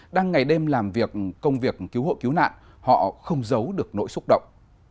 đang ngày đêm làm việc công việc cứu hộ cứu nạn họ không giấu được nỗi xúc động